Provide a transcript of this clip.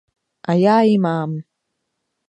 A já ji mám!